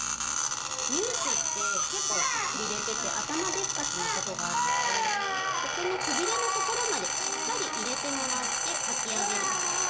乳歯って結構くびれてて頭でっかちなことがあるのでここのくびれのところまでしっかり入れてもらってかき上げる。